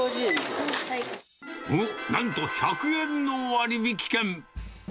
おっ、なんと１００円の割引券。